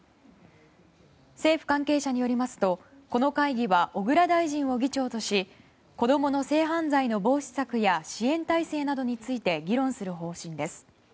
政府関係者によりますとこの会議は小倉大臣を議長とし子供の性犯罪の防止策や支援体制などについて議論する方針です。